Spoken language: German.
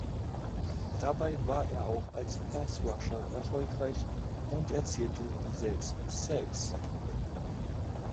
Dabei war er auch als Pass Rusher erfolgreich und erzielte sechs Sacks.